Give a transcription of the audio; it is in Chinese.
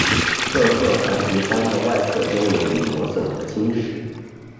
科赫环形山的外侧边缘已磨损和侵蚀。